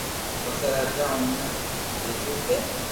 پسي راجا اي اوني ڪآدو ڪي